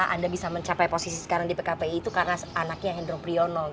anda bisa mencapai posisi sekarang di pkpi itu karena anaknya hendro priyono